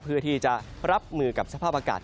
เพื่อที่จะรับมือกับสภาพอากาศ